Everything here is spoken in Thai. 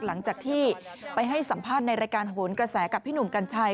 หลังจากที่ไปให้สัมภาษณ์ในรายการโหนกระแสกับพี่หนุ่มกัญชัย